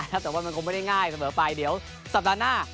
ถ้าเกิดว่ามันคงไม่ได้ง่ายเสมอไปเดี๋ยวสัปดาห์หน้า